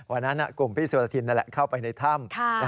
วันนั้นกลุ่มพี่สุรทินนั่นแหละเข้าไปในถ้ำ